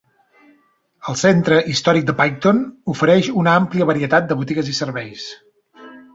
El centre històric de Picton ofereix una àmplia varietat de botigues i serveis.